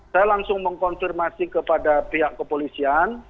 saya langsung mengkonfirmasi kepada pihak kepolisian